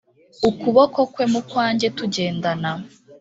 ukuboko kwe mu kwanjye tugendana